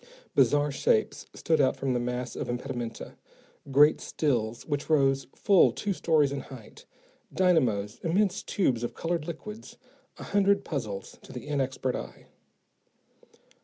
Bizarre shapes stood out from the mass of impedimenta, great stills which rose full two stories in height, dynamos, immense tubes of colored liquids, a hundred puzzles to the inexpert eye.